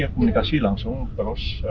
oh iya komunikasi langsung terus